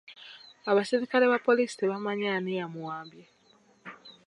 Abaserikale ba poliisi tebamanyi ani yamuwambye.